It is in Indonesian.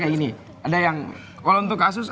kayak gini ada yang kalau untuk kasus